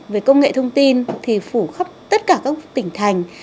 về công nghệ thông tin thì phủ khắp tất cả các tỉnh thành